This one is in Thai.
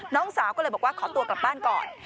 น้องสาวก็เลยบอกว่าขอตัวกลับบ้านก่อน